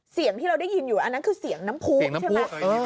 เสียงที่เราได้ยินอยู่อันนั้นคือเสียงน้ำพูนใช่ไหม